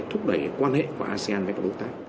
thúc đẩy quan hệ của asean với các đối tác